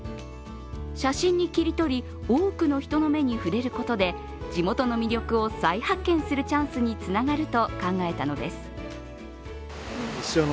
写真に切り取り、多くの人の目に触れることで地元の魅力を再発見するチャンスにつながると考えたのです。